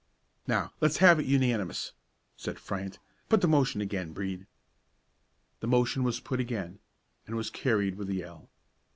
"Now, let's have it unanimous," said Fryant; "put the motion again, Brede." The motion was put again, and was carried with a yell.